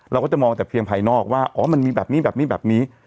เราก็จะมองจากเพียงภายนอกว่าอ๋อมันมีแบบนี้